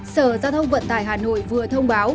sở giao thông vận tải hà nội vừa thông báo